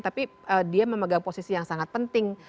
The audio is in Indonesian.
tapi dia memegang posisi yang sangat penting